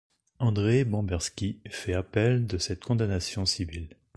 André Bamberski fait appel de cette condamnation civile.